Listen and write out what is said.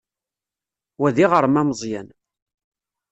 Wa d iɣrem ameẓyan.